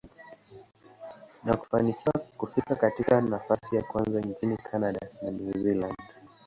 na kufanikiwa kufika katika nafasi ya kwanza nchini Canada na New Zealand.